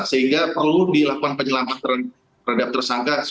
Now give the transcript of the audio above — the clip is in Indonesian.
sehingga perlu dilakukan penyelamat terhadap tersangka